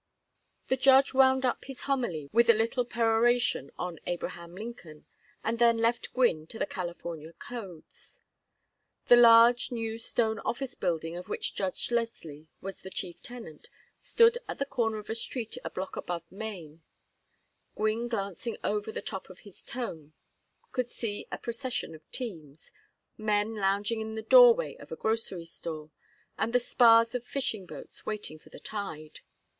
The judge wound up his homily with a little peroration on Abraham Lincoln and then left Gwynne to the California codes. The large new stone office building of which Judge Leslie was the chief tenant stood at the corner of a street a block above Main; Gwynne glancing over the top of his tome could see a procession of teams, men lounging in the doorway of a grocery store, and the spars of fishing boats waiting for the tide.